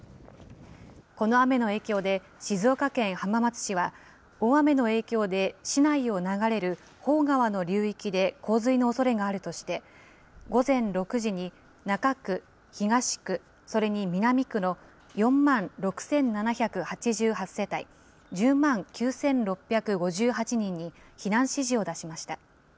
この雨の影響で静岡県浜松市は、大雨の影響で市内を流れる芳川の流域で洪水のおそれがあるとして、午前６時に中区、東区、それに南区の４万６７８８世帯１０万９６５８人に避難指示を出しました。